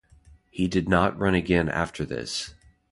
He did not run again after this.